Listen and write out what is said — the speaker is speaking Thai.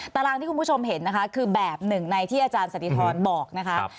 ตารางที่คุณผู้ชมเห็นนะคะคือแบบหนึ่งในที่อาจารย์สันติธรบอกนะคะ